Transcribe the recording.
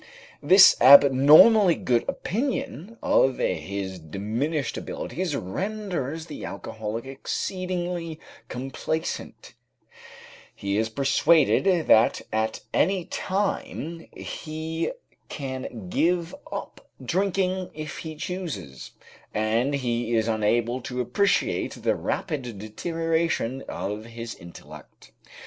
This abnormally good opinion of his diminished abilities renders the alcoholic exceedingly complacent; he is persuaded that at any time he can give up drinking if he chooses, and he is unable to appreciate the rapid deterioration of his intellect.